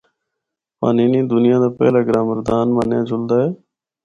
پانینی دُنیا دا پہلا گرامر دان منیا جُلدا ہے۔